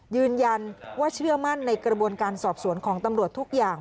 ยืนยันว่าเชื่อมั่นในกระบวนการสอบสวนของตำรวจทุกอย่าง